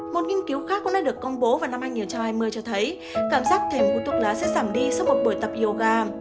một nghiên cứu khác cũng đã được công bố vào năm hai nghìn hai mươi cho thấy cảm giác thềm hút thuốc lá sẽ giảm đi sau một buổi tập yoga